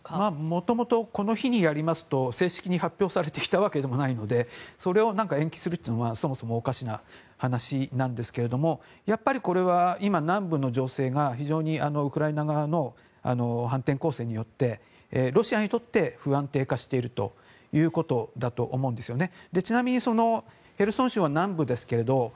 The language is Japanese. もともとこの日にやりますと正式に発表されてきたわけでもないのでそれを延期するというのはそもそもおかしな話ですがやっぱり、これは今南部の情勢が非常にウクライナ側の反転攻勢によってロシアにとって不安定化しているということだと思うんですよね。